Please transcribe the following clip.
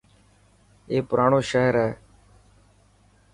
اي پراڻو شهر هي.